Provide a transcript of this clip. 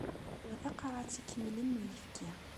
Yeswa taqerɛet ikemlen n uyefki.